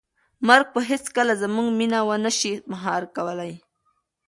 مرګ به هیڅکله زموږ مینه ونه شي مهار کولی.